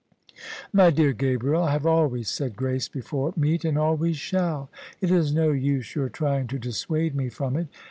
" My dear Gabriel, I have always said grace before meat and always shall: it Is no use your trying to dissuade me from it.